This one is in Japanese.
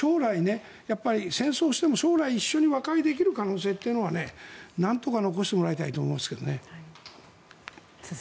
戦争しても、将来、一緒に和解できる可能性っていうのはなんとか残してもらいたいと思いますけどね。